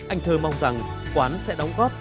anh thơ mong rằng quán sẽ đóng góp